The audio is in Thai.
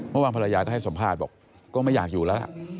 เมื่อวางภรรยาก็ให้สมภาษณ์บอกก็ไม่อยากอยู่แล้ว